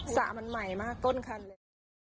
สระมันใหม่มากต้นคันเลย